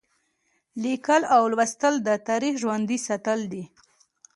لیکل او لوستل د تاریخ ژوندي ساتل دي.